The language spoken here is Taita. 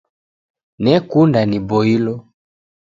Nekunda niboilo